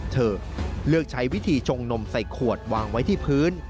เธอเลือกใช้วิธีชงนมใส่ขวดวางไว้ที่พื้น